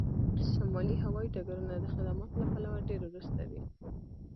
شمالي هوایی ډګرونه د خدماتو له پلوه ډیر وروسته دي